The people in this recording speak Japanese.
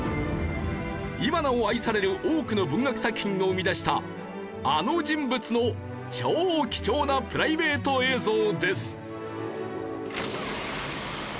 今なお愛される多くの文学作品を生み出したあの人物の超貴重なプライベート映像です。